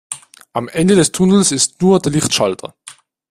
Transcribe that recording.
Am Ende des Tunnels ist nur der Lichtschalter.